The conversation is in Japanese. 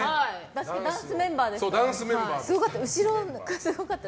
私、ダンスメンバーでした。